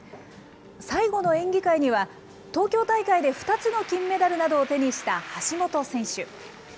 最後の演技会には、東京大会で２つの金メダルなどを手にした橋本選手。